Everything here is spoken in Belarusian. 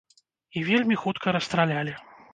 І вельмі хутка расстралялі.